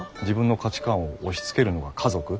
自分の価値観を押しつけるのが家族？